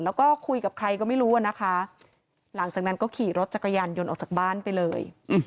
แล้วก็คุยกับใครก็ไม่รู้อะนะคะหลังจากนั้นก็ขี่รถจักรยานยนต์ออกจากบ้านไปเลย